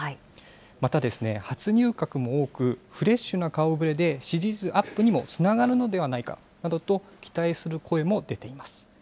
またですね、初入閣も多く、フレッシュな顔ぶれで支持率アップにもつながるのではないかとも期待する声も出ています。